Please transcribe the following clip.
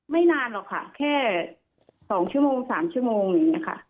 ไม่นานหรอกค่ะแค่สองชั่วโมงสามชั่วโมงเนี่ยค่ะ